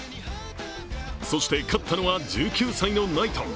そして勝ったのは１９歳のナイトン。